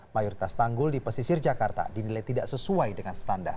mayoritas tanggul di pesisir jakarta dinilai tidak sesuai dengan standar